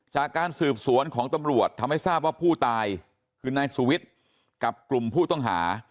จากการสืบสวนของตำรวจทำให้ทราบว่าผู้ตายคือนายสุวิทย์กับกลุ่มผู้ต้องหา